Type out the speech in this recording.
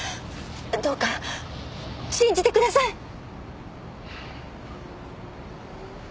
どうか信じてください！